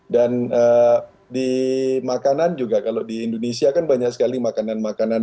dan di makanan juga kalau di indonesia kan banyak sekali makanan makanan